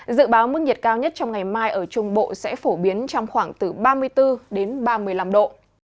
dự báo mức nhiệt cao nhất trong ngày mai ở trung bộ sẽ phổ biến trong khoảng từ ba mươi bốn đến ba mươi năm độ